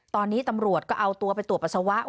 ตอนนี้ตำรวจก็เอาตัวไปตรวจปัสสาวะ